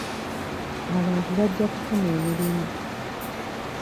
Abantu bajja kufuna emirimu.